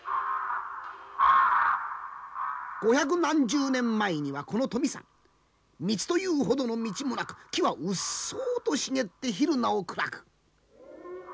五百何十年前にはこの富山道というほどの道もなく木はうっそうと茂って昼なお暗く。